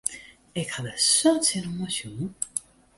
Ik ha der sa tsjinoan sjoen.